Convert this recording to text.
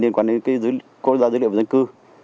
liên quan đến dữ liệu dân cư